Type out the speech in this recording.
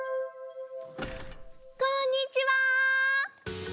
こんにちは！